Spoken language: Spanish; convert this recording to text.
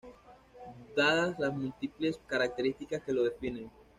dadas las múltiples características que lo definen